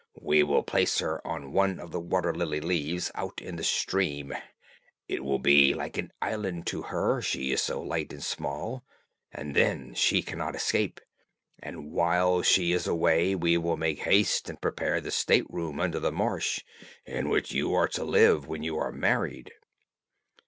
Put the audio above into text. We will place her on one of the water lily leaves out in the stream; it will be like an island to her, she is so light and small, and then she cannot escape; and, while she is away, we will make haste and prepare the state room under the marsh, in which you are to live when you are married."